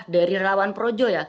dari rawan projo